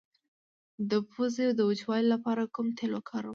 د پوزې د وچوالي لپاره کوم تېل وکاروم؟